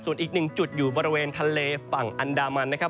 ส่วนอีกหนึ่งจุดอยู่บริเวณทะเลฝั่งอันดามันนะครับ